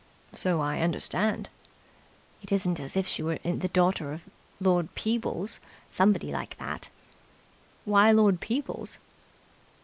"So I understand." "It isn't as if she were the daughter of Lord Peebles, somebody like that." "Why Lord Peebles?"